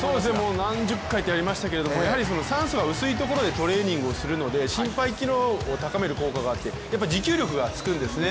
何十回とやりましたけどやはり酸素が薄いところでトレーニングをするので心肺機能を高める効果があって持久力が身につくんですよね。